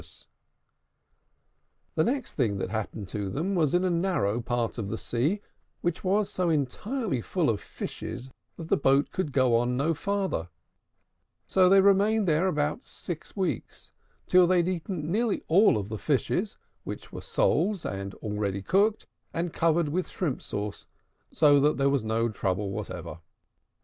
The next thing that happened to them was in a narrow part of the sea, which was so entirely full of fishes that the boat could go on no farther: so they remained there about six weeks, till they had eaten nearly all the fishes, which were soles, and all ready cooked, and covered with shrimp sauce, so that there was no trouble whatever.